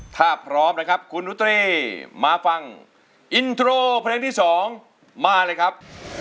ถ้าพร้อมนะครับคุณนุตรีมาฟังอินโทรเพลงที่๒มาเลยครับ